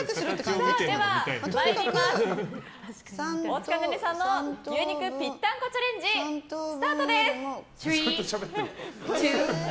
では、大塚寧々さんの牛肉ぴったんこチャレンジスタートです！